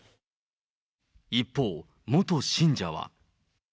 一方、元信者は。